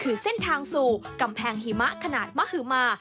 คือเส้นทางสู่กำแพงหิมะขนาดมหมา